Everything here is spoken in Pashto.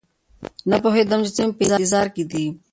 نه پوهېدم چې څه مې په انتظار کې دي